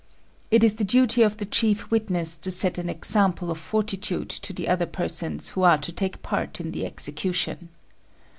It is the duty of the chief witness to set an example of fortitude to the other persons who are to take part in the execution.